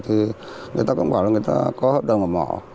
thì người ta cũng bảo là người ta có hợp đồng ở mỏ